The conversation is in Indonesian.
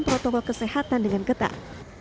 protokol kesehatan dengan getah